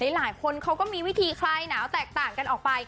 หลายคนเขาก็มีวิธีคลายหนาวแตกต่างกันออกไป